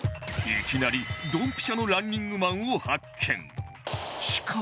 いきなりドンピシャのランニングマンを発見！